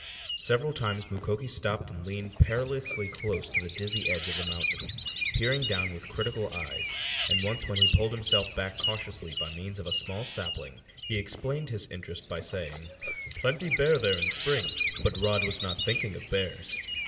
Several times Mukoki stopped and leaned perilously close to the dizzy edge of the mountain, peering down with critical eyes, and once when he pulled himself back cautiously by means of a small sapling he explained his interest by saying: "Plenty bear there in spring!" But Rod was not thinking of bears.